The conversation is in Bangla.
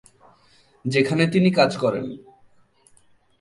যেখানে তিনি কাজ করেন।